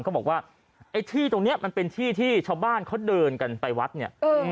เขาบอกว่าไอ้ที่ตรงนี้มันเป็นที่ที่ชาวบ้านเขาเดินกันไปวัดเนี่ย